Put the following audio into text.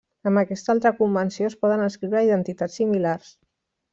Amb aquesta altra convenció es poden escriure identitats similars.